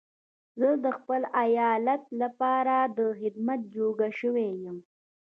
زه د خپل ايالت لپاره د خدمت جوګه شوی يم.